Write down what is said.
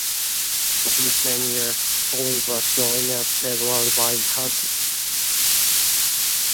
In the same year, Collins was joined at Ferrari by Hawthorn.